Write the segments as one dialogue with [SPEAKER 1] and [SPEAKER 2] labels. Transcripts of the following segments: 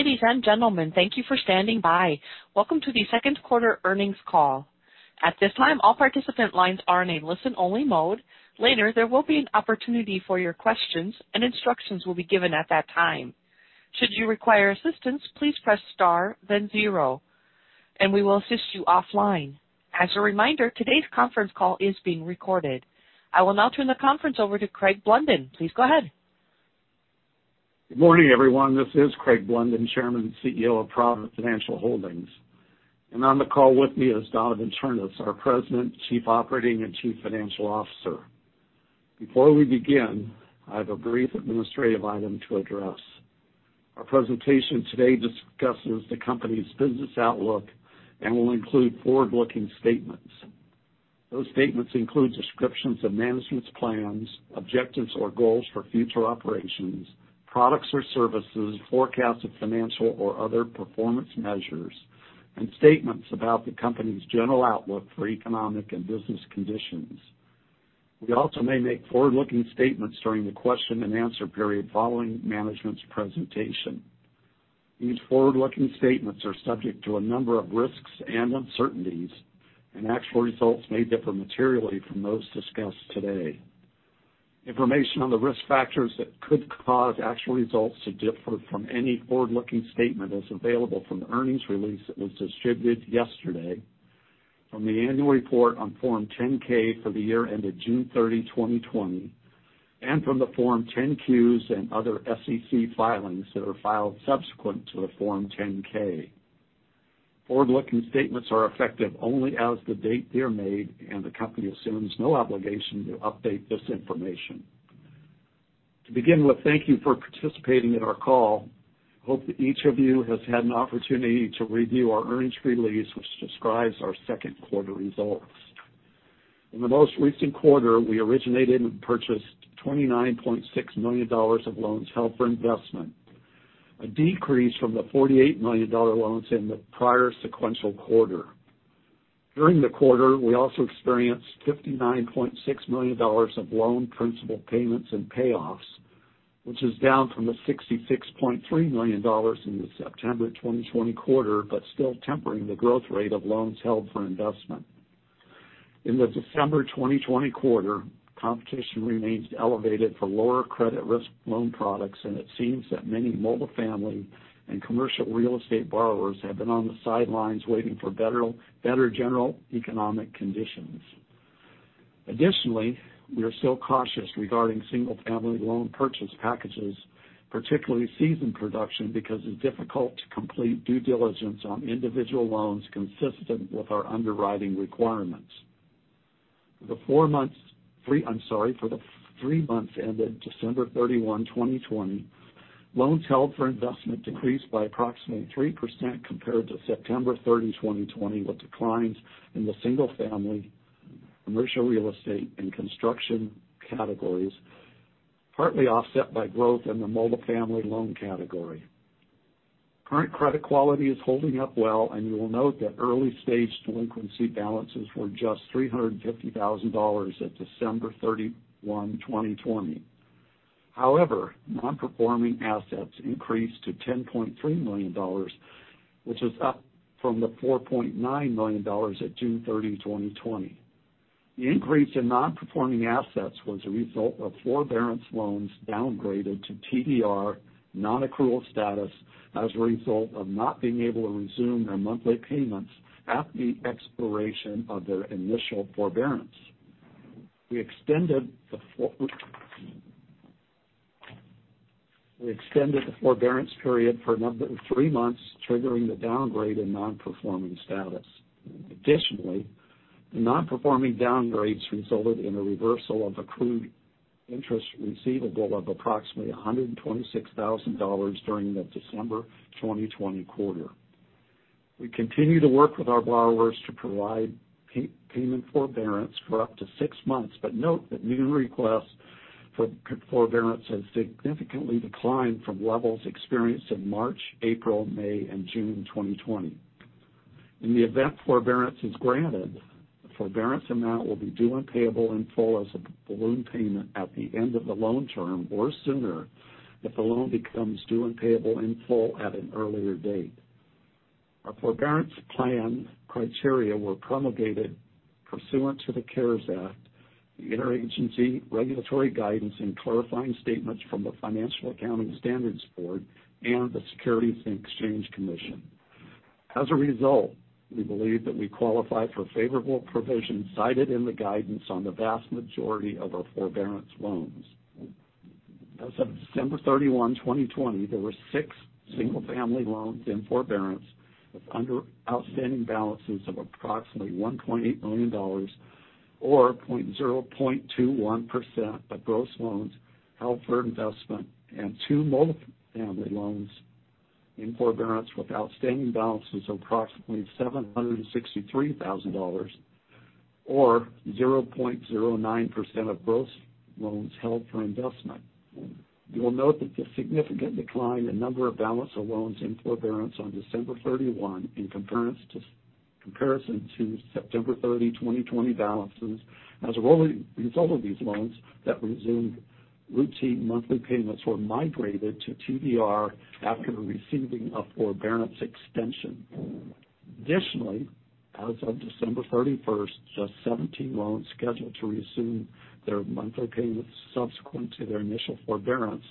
[SPEAKER 1] Ladies and gentlemen, thank you for standing by. Welcome to the second quarter earnings call. At this time, all participant lines are in a listen-only mode. Later, there will be an opportunity for your questions, and instructions will be given at that time. Should you require assistance, please press star, then zero, and we will assist you offline. As a reminder, today's conference call is being recorded. I will now turn the conference over to Craig Blunden. Please go ahead.
[SPEAKER 2] Good morning, everyone. This is Craig Blunden, Chairman and CEO of Provident Financial Holdings. On the call with me is Donavon Ternes, our President, Chief Operating and Chief Financial Officer. Before we begin, I have a brief administrative item to address. Our presentation today discusses the company's business outlook and will include forward-looking statements. Those statements include descriptions of management's plans, objectives or goals for future operations, products or services, forecasts of financial or other performance measures, and statements about the company's general outlook for economic and business conditions. We also may make forward-looking statements during the question and answer period following management's presentation. These forward-looking statements are subject to a number of risks and uncertainties, and actual results may differ materially from those discussed today. Information on the risk factors that could cause actual results to differ from any forward-looking statement is available from the earnings release that was distributed yesterday, from the annual report on Form 10-K for the year ended June 30, 2020, and from the Form 10-Qs and other SEC filings that are filed subsequent to the Form 10-K. Forward-looking statements are effective only as of the date they are made, the company assumes no obligation to update this information. To begin with, thank you for participating in our call. I hope that each of you has had an opportunity to review our earnings release, which describes our second quarter results. In the most recent quarter, we originated and purchased $29.6 million of loans held for investment, a decrease from the $48 million loans in the prior sequential quarter. During the quarter, we also experienced $59.6 million of loan principal payments and payoffs, which is down from the $66.3 million in the September 2020 quarter, but still tempering the growth rate of loans held for investment. In the December 2020 quarter, competition remains elevated for lower credit risk loan products, and it seems that many multifamily and commercial real estate borrowers have been on the sidelines waiting for better general economic conditions. Additionally, we are still cautious regarding single-family loan purchase packages, particularly seasoned production because it's difficult to complete due diligence on individual loans consistent with our underwriting requirements. For the three months ended December 31, 2020, loans held for investment decreased by approximately 3% compared to September 30, 2020, with declines in the single-family, commercial real estate, and construction categories, partly offset by growth in the multifamily loan category. Current credit quality is holding up well, and you will note that early-stage delinquency balances were just $350,000 at December 31, 2020. However, non-performing assets increased to $10.3 million, which is up from the $4.9 million at June 30, 2020. The increase in non-performing assets was a result of forbearance loans downgraded to TDR non-accrual status as a result of not being able to resume their monthly payments at the expiration of their initial forbearance. We extended the forbearance period for another three months, triggering the downgrade in non-performing status. Additionally, the non-performing downgrades resulted in a reversal of accrued interest receivable of approximately $126,000 during the December 2020 quarter. We continue to work with our borrowers to provide payment forbearance for up to six months, but note that new requests for forbearance has significantly declined from levels experienced in March, April, May, and June 2020. In the event forbearance is granted, the forbearance amount will be due and payable in full as a balloon payment at the end of the loan term or sooner if the loan becomes due and payable in full at an earlier date. Our forbearance plan criteria were promulgated pursuant to the CARES Act, the interagency regulatory guidance and clarifying statements from the Financial Accounting Standards Board and the Securities and Exchange Commission. We believe that we qualify for favorable provisions cited in the guidance on the vast majority of our forbearance loans. As of December 31, 2020, there were six single-family loans in forbearance with outstanding balances of approximately $1.8 million, or 0.21% of gross loans held for investment, and two multifamily loans in forbearance with outstanding balances of approximately $763,000, or 0.09% of gross loans held for investment. You will note that the significant decline in number of balance of loans in forbearance on December 31 in comparison to September 30, 2020 balances as a result of these loans that resumed routine monthly payments were migrated to TDR after receiving a forbearance extension. Additionally, as of December 31st, just 17 loans scheduled to resume their monthly payments subsequent to their initial forbearance,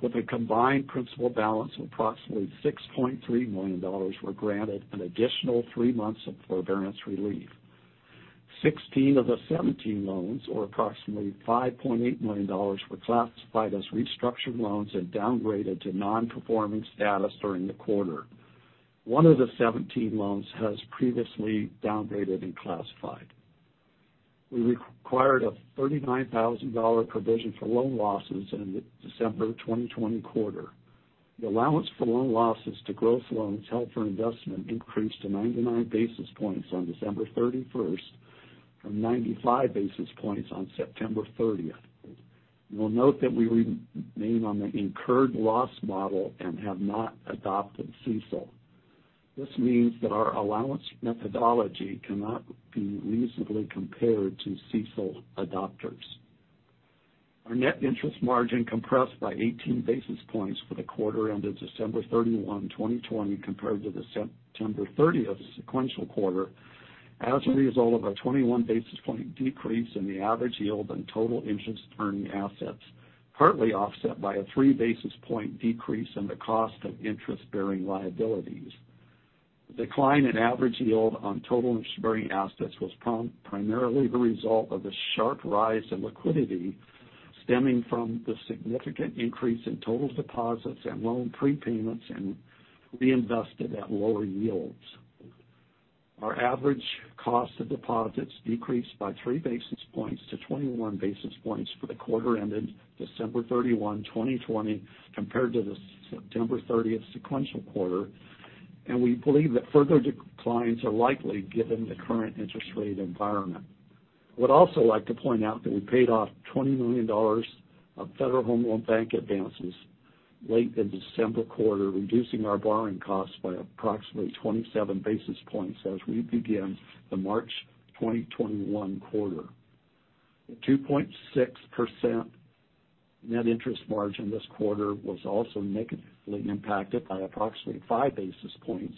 [SPEAKER 2] with a combined principal balance of approximately $6.3 million, were granted an additional three months of forbearance relief. 16 of the 17 loans, or approximately $5.8 million, were classified as restructured loans and downgraded to non-performing status during the quarter. One of the 17 loans was previously downgraded and classified. We required a $39,000 provision for loan losses in the December 2020 quarter. The allowance for loan losses to gross loans held for investment increased to 99 basis points on December 31st from 95 basis points on September 30th. You will note that we remain on the incurred loss model and have not adopted CECL. This means that our allowance methodology cannot be reasonably compared to CECL adopters. Our net interest margin compressed by 18 basis points for the quarter ended December 31, 2020, compared to the September 30th sequential quarter, as a result of a 21 basis points decrease in the average yield on total interest-earning assets, partly offset by a three basis points decrease in the cost of interest-bearing liabilities. The decline in average yield on total interest-bearing assets was primarily the result of the sharp rise in liquidity stemming from the significant increase in total deposits and loan prepayments, and reinvested at lower yields. Our average cost of deposits decreased by three basis points to 21 basis points for the quarter ended December 31, 2020, compared to the September 30th sequential quarter, and we believe that further declines are likely given the current interest rate environment. I would also like to point out that we paid off $20 million of Federal Home Loan Bank advances late in the December quarter, reducing our borrowing costs by approximately 27 basis points as we begin the March 2021 quarter. The 2.6% net interest margin this quarter was also negatively impacted by approximately five basis points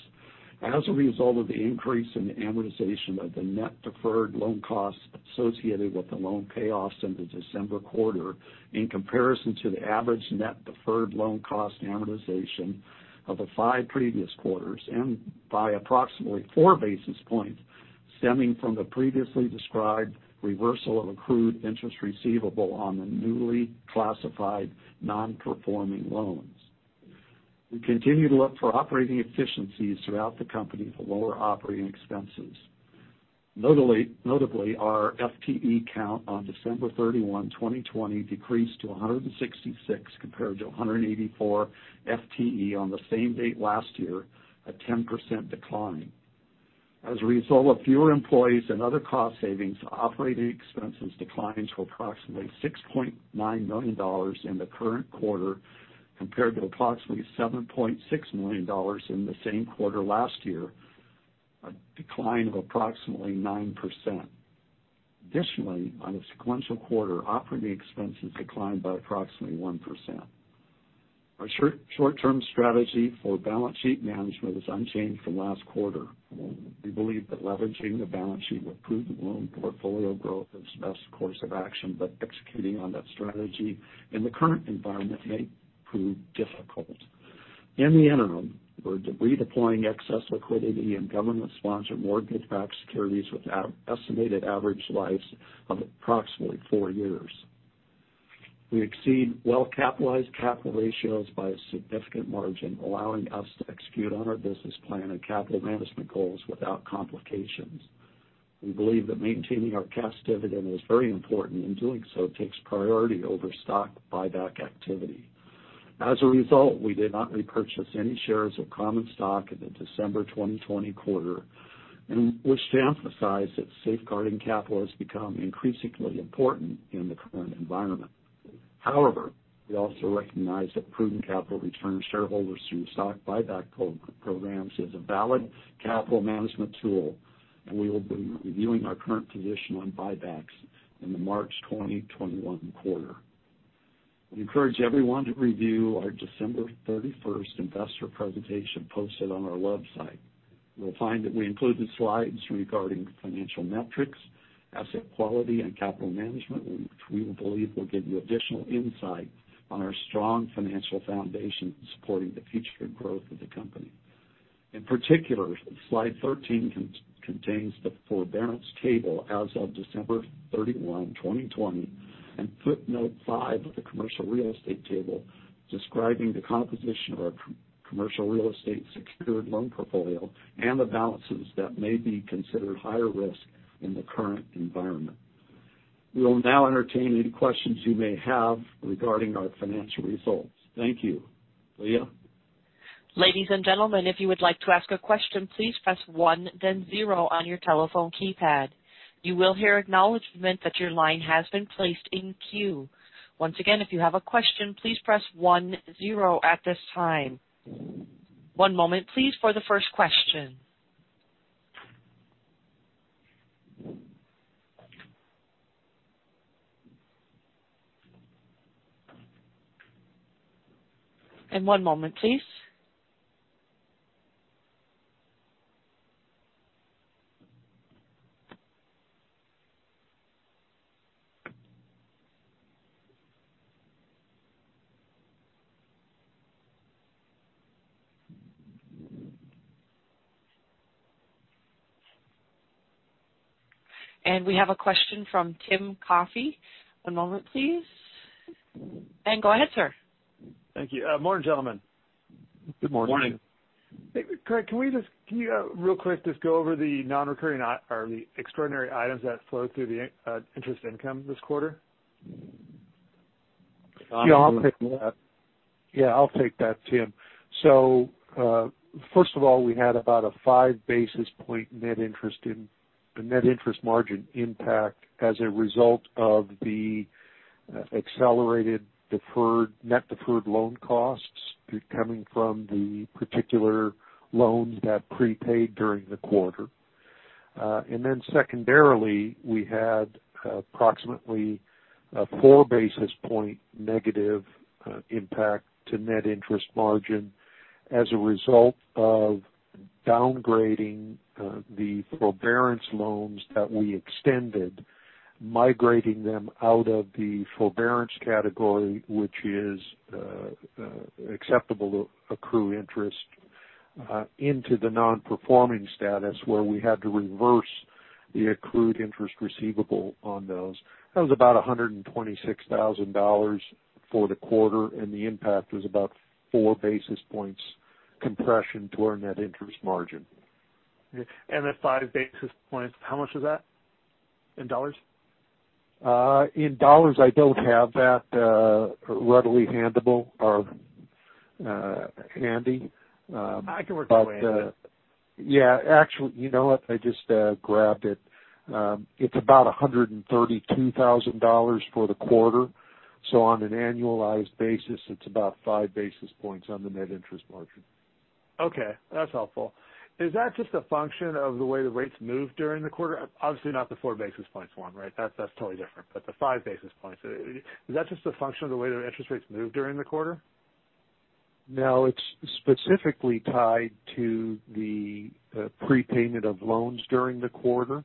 [SPEAKER 2] as a result of the increase in the amortization of the net deferred loan costs associated with the loan payoffs in the December quarter, in comparison to the average net deferred loan cost amortization of the five previous quarters, and by approximately four basis points stemming from the previously described reversal of accrued interest receivable on the newly classified non-performing loans. We continue to look for operating efficiencies throughout the company for lower operating expenses. Notably, our FTE count on December 31, 2020, decreased to 166 compared to 184 FTE on the same date last year, a 10% decline. As a result of fewer employees and other cost savings, operating expenses declined to approximately $6.9 million in the current quarter compared to approximately $7.6 million in the same quarter last year, a decline of approximately 9%. Additionally, on a sequential quarter, operating expenses declined by approximately 1%. Our short-term strategy for balance sheet management is unchanged from last quarter. We believe that leveraging the balance sheet with prudent loan portfolio growth is the best course of action, but executing on that strategy in the current environment may prove difficult. In the interim, we're redeploying excess liquidity and government-sponsored mortgage-backed securities with estimated average lives of approximately four years. We exceed well-capitalized capital ratios by a significant margin, allowing us to execute on our business plan and capital management goals without complications. We believe that maintaining our cash dividend is very important, and doing so takes priority over stock buyback activity. As a result, we did not repurchase any shares of common stock in the December 2020 quarter and wish to emphasize that safeguarding capital has become increasingly important in the current environment. However, we also recognize that prudent capital return to shareholders through stock buyback programs is a valid capital management tool, and we will be reviewing our current position on buybacks in the March 2021 quarter. We encourage everyone to review our December 31st investor presentation posted on our website. You will find that we included slides regarding financial metrics, asset quality, and capital management, which we believe will give you additional insight on our strong financial foundation supporting the future growth of the company. In particular, slide 13 contains the forbearance table as of December 31, 2020, and footnote five of the commercial real estate table, describing the composition of our commercial real estate secured loan portfolio and the balances that may be considered higher risk in the current environment. We will now entertain any questions you may have regarding our financial results. Thank you. Leah?
[SPEAKER 1] Ladies and gentlemen, if you would like to ask a question, please press one, then zero on your telephone keypad. You will hear acknowledgement that your line has been placed in queue. Once again, if you have a question, please press one zero at this time. One moment please for the first question. One moment, please. We have a question from Tim Coffey. One moment, please. Go ahead, sir.
[SPEAKER 3] Thank you. Morning, gentlemen.
[SPEAKER 4] Good morning.
[SPEAKER 2] Morning.
[SPEAKER 3] Craig, can you real quick just go over the extraordinary items that flow through the interest income this quarter?
[SPEAKER 4] Yeah, I'll take that, Tim. First of all, we had about a five basis point net interest margin impact as a result of the accelerated net deferred loan costs coming from the particular loans that prepaid during the quarter. Secondarily, we had approximately a four basis point negative impact to net interest margin as a result of downgrading the forbearance loans that we extended, migrating them out of the forbearance category, which is acceptable to accrue interest, into the non-performing status where we had to reverse the accrued interest receivable on those. That was about $126,000 for the quarter, and the impact was about four basis points compression to our net interest margin.
[SPEAKER 3] The five basis points, how much was that in dollars?
[SPEAKER 4] In dollars, I don't have that readily handy.
[SPEAKER 3] I can work the way into it.
[SPEAKER 4] Yeah. Actually, you know what? I just grabbed it. It's about $132,000 for the quarter. On an annualized basis, it's about five basis points on the net interest margin.
[SPEAKER 3] Okay. That's helpful. Is that just a function of the way the rates moved during the quarter? Obviously not the four basis points one, right? That's totally different. The five basis points, is that just a function of the way the interest rates moved during the quarter?
[SPEAKER 4] No, it's specifically tied to the prepayment of loans during the quarter.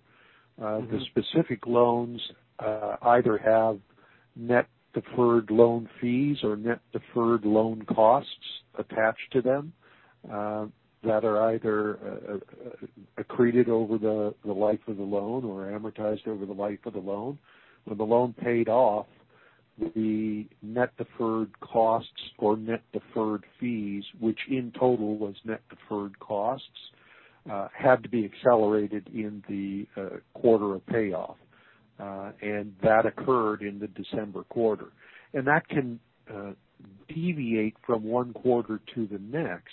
[SPEAKER 4] The specific loans either have net deferred loan fees or net deferred loan costs attached to them, that are either accreted over the life of the loan or amortized over the life of the loan. When the loan paid off, the net deferred costs or net deferred fees, which in total was net deferred costs, had to be accelerated in the quarter of payoff. That occurred in the December quarter. That can deviate from one quarter to the next.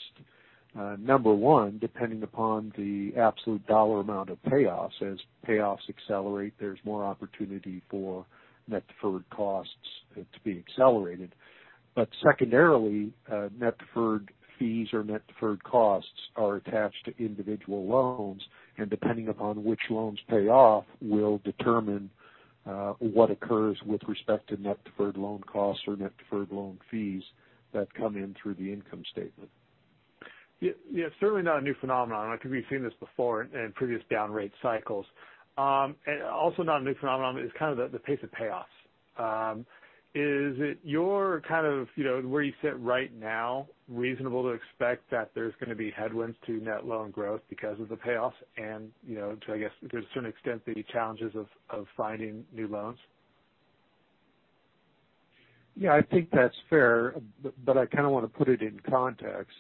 [SPEAKER 4] Number one, depending upon the absolute dollar amount of payoffs. As payoffs accelerate, there's more opportunity for net deferred costs to be accelerated. Secondarily, net deferred fees or net deferred costs are attached to individual loans, and depending upon which loans pay off, will determine what occurs with respect to net deferred loan costs or net deferred loan fees that come in through the income statement.
[SPEAKER 3] Yeah. Certainly not a new phenomenon. We've seen this before in previous down rate cycles. Also not a new phenomenon is kind of the pace of payoffs. Is it your kind of, where you sit right now, reasonable to expect that there's going to be headwinds to net loan growth because of the payoffs and to, I guess, to a certain extent, the challenges of finding new loans?
[SPEAKER 4] Yeah, I think that's fair, I kind of want to put it in context.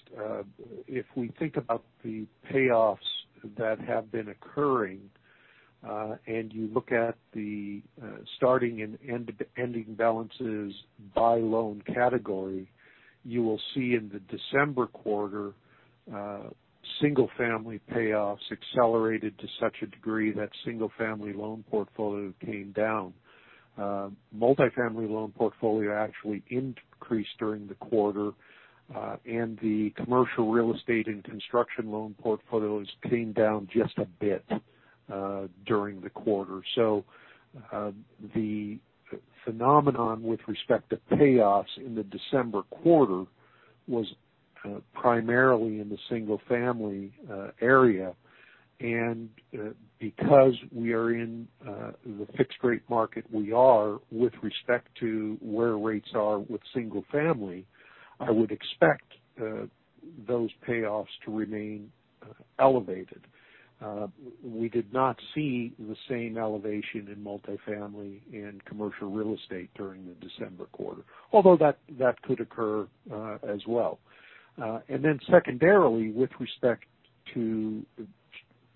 [SPEAKER 4] If we think about the payoffs that have been occurring, and you look at the starting and ending balances by loan category, you will see in the December quarter, single family payoffs accelerated to such a degree that single family loan portfolio came down. Multifamily loan portfolio actually increased during the quarter, and the commercial real estate and construction loan portfolios came down just a bit during the quarter. The phenomenon with respect to payoffs in the December quarter was primarily in the single family area. Because we are in the fixed rate market we are with respect to where rates are with single family, I would expect those payoffs to remain elevated. We did not see the same elevation in multifamily and commercial real estate during the December quarter, although that could occur as well. Then secondarily, with respect to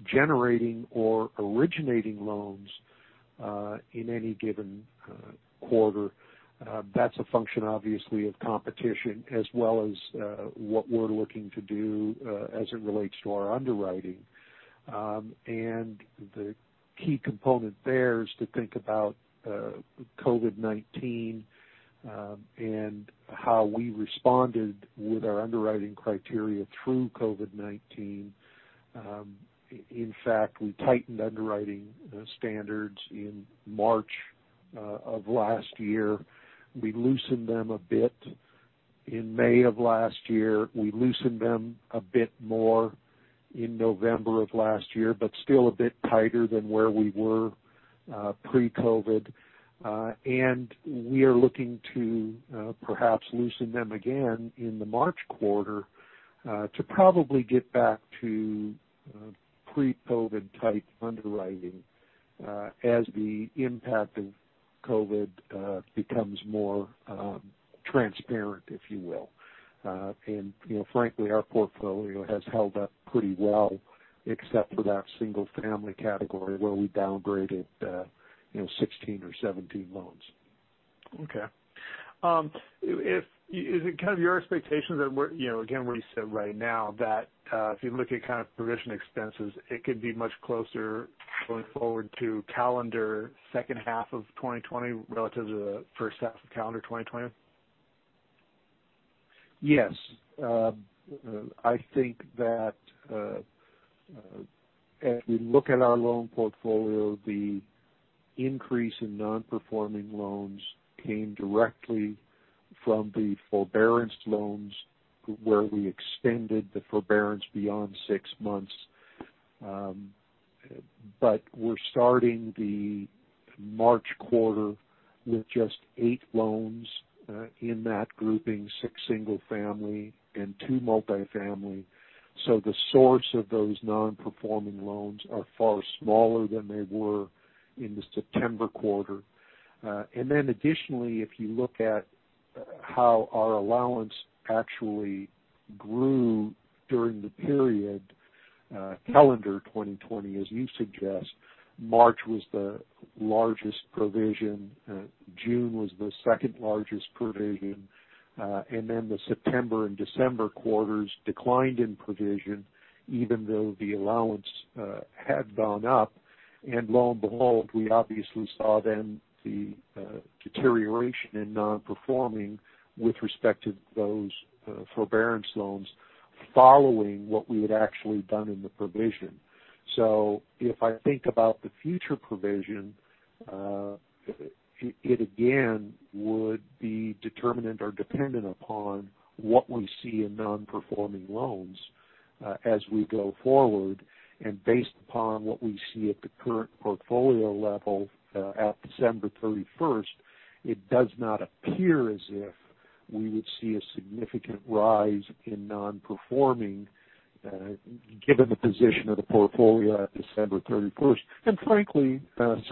[SPEAKER 4] generating or originating loans in any given quarter. That's a function, obviously, of competition as well as what we're looking to do as it relates to our underwriting. The key component there is to think about COVID-19 and how we responded with our underwriting criteria through COVID-19. In fact, we tightened underwriting standards in March of last year. We loosened them a bit in May of last year. We loosened them a bit more in November of last year, but still a bit tighter than where we were pre-COVID. We are looking to perhaps loosen them again in the March quarter to probably get back to pre-COVID type underwriting as the impact of COVID becomes more transparent, if you will. Frankly, our portfolio has held up pretty well except for that single family category where we downgraded 16 or 17 loans.
[SPEAKER 3] Okay. Is it your expectation that, again, where you sit right now, that if you look at provision expenses, it could be much closer going forward to calendar second half of 2020 relative to the first half of calendar 2020?
[SPEAKER 4] Yes. I think that as we look at our loan portfolio, the increase in non-performing loans came directly from the forbearance loans where we extended the forbearance beyond six months. We're starting the March quarter with just eight loans in that grouping, six single family and two multifamily. The source of those non-performing loans are far smaller than they were in the September quarter. Additionally, if you look at how our allowance actually grew during the period calendar 2020, as you suggest, March was the largest provision. June was the second largest provision. The September and December quarters declined in provision, even though the allowance had gone up. Lo and behold, we obviously saw then the deterioration in non-performing with respect to those forbearance loans following what we had actually done in the provision. If I think about the future provision, it again would be determinant or dependent upon what we see in non-performing loans as we go forward. Based upon what we see at the current portfolio level at December 31st, it does not appear as if we would see a significant rise in non-performing given the position of the portfolio at December 31st. Frankly,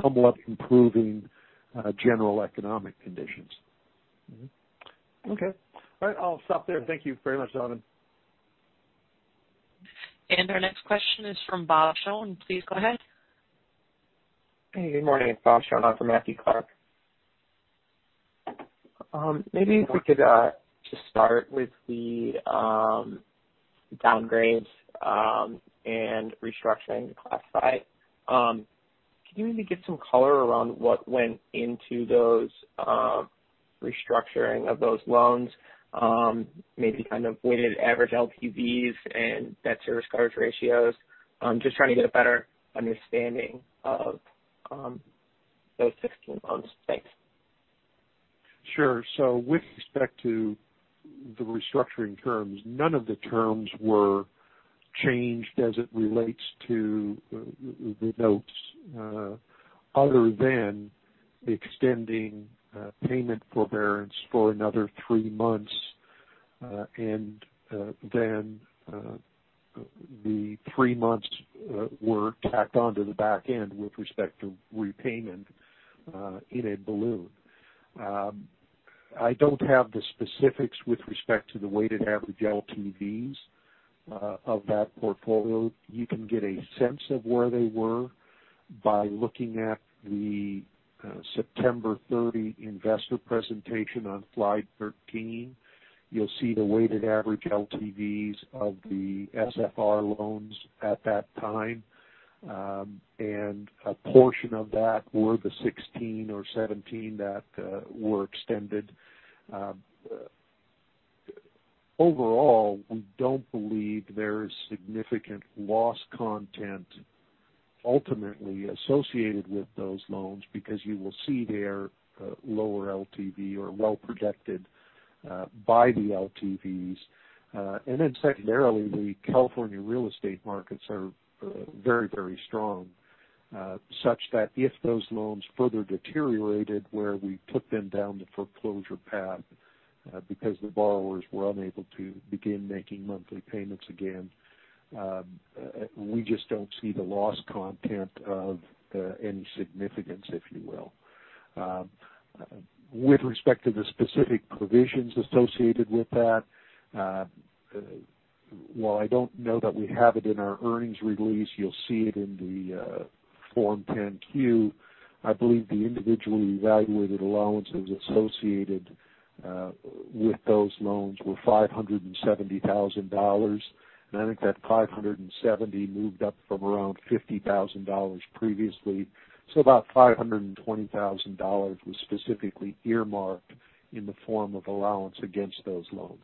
[SPEAKER 4] somewhat improving general economic conditions.
[SPEAKER 3] Okay. All right. I'll stop there. Thank you very much, Ternes.
[SPEAKER 1] Our next question is from Bob Schoen. Please go ahead.
[SPEAKER 5] Hey, good morning. It's Bob Schoen from Matthew Clark. Maybe if we could just start with the downgrades and restructuring classified. Can you maybe give some color around what went into those restructuring of those loans? Maybe kind of weighted average LTVs and debt service coverage ratios. Just trying to get a better understanding of those 16 loans. Thanks.
[SPEAKER 4] Sure. With respect to the restructuring terms, none of the terms were changed as it relates to the notes other than extending payment forbearance for another three months, and then the three months were tacked onto the back end with respect to repayment in a balloon. I don't have the specifics with respect to the weighted average LTVs of that portfolio. You can get a sense of where they were by looking at the September 30 investor presentation on slide 13. You'll see the weighted average LTVs of the SFR loans at that time, and a portion of that were the 16 or 17 that were extended. Overall, we don't believe there is significant loss content ultimately associated with those loans because you will see they are lower LTV or well protected by the LTVs. Then secondarily, the California real estate markets are very strong, such that if those loans further deteriorated where we put them down the foreclosure path because the borrowers were unable to begin making monthly payments again, we just don't see the loss content of any significance, if you will. With respect to the specific provisions associated with that, while I don't know that we have it in our earnings release, you'll see it in the Form 10-Q. I believe the individually evaluated allowances associated with those loans were $570,000. I think that 570 moved up from around $50,000 previously. About $520,000 was specifically earmarked in the form of allowance against those loans.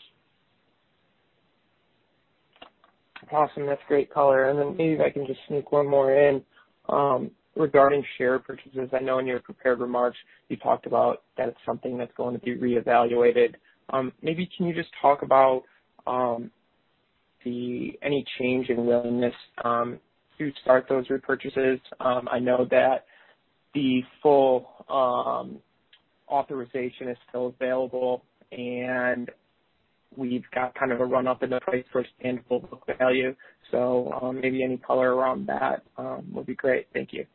[SPEAKER 5] Awesome. That's great color. Then maybe if I can just sneak one more in regarding share purchases. I know in your prepared remarks you talked about that it's something that's going to be reevaluated. Maybe can you just talk about any change in willingness to start those repurchases? I know that the full authorization is still available, and we've got kind of a run up in the price versus tangible book value. Maybe any color around that would be great. Thank you.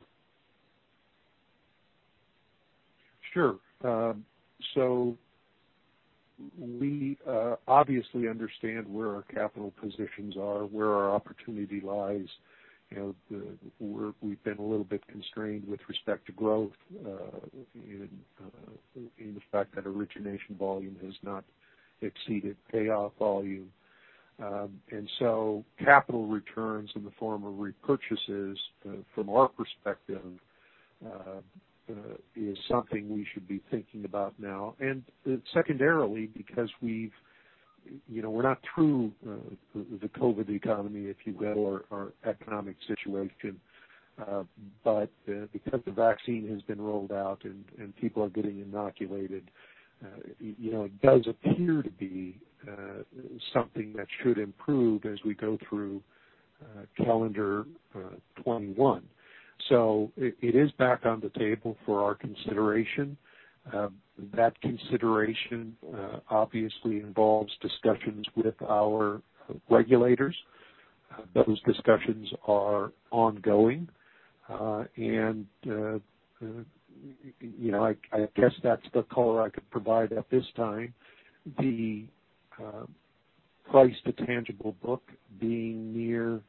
[SPEAKER 4] Sure. We obviously understand where our capital positions are, where our opportunity lies. We've been a little bit constrained with respect to growth in the fact that origination volume has not exceeded payoff volume. Capital returns in the form of repurchases, from our perspective, is something we should be thinking about now. Secondarily, because we're not through the COVID economy, if you will, or our economic situation. Because the vaccine has been rolled out and people are getting inoculated, it does appear to be something that should improve as we go through calendar 2021. It is back on the table for our consideration. That consideration obviously involves discussions with our regulators. Those discussions are ongoing. I guess that's the color I could provide at this time. The price to tangible book being near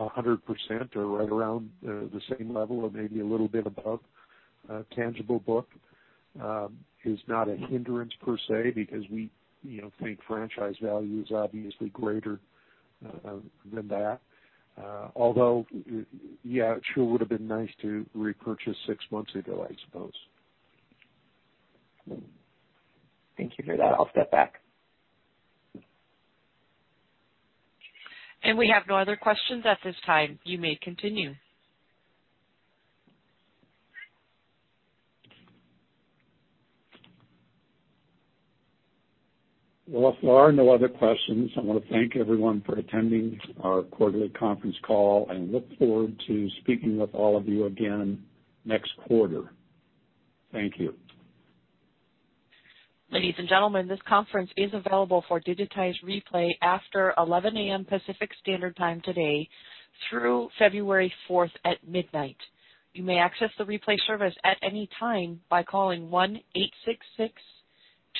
[SPEAKER 4] 100% or right around the same level or maybe a little bit above tangible book is not a hindrance per se because we think franchise value is obviously greater than that. Although, yeah, it sure would've been nice to repurchase six months ago, I suppose.
[SPEAKER 5] Thank you for that. I'll step back.
[SPEAKER 1] We have no other questions at this time. You may continue.
[SPEAKER 4] Well, if there are no other questions, I want to thank everyone for attending our quarterly conference call and look forward to speaking with all of you again next quarter. Thank you.
[SPEAKER 1] Ladies and gentlemen, this conference is available for digitized replay after 11:00 A.M. Pacific Standard Time today through February 4th at midnight. You may access the replay service at any time by calling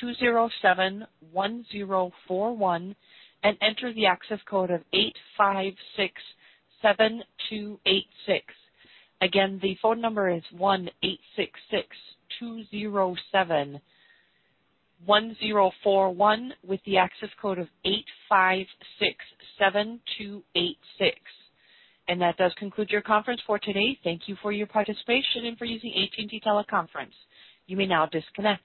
[SPEAKER 1] 1-866-207-1041 and enter the access code of 8567286. Again, the phone number is 1-866-207-1041 with the access code of 8567286. That does conclude your conference for today. Thank you for your participation and for using AT&T Teleconference. You may now disconnect.